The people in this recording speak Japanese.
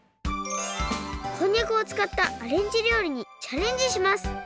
こんにゃくをつかったアレンジりょうりにチャレンジします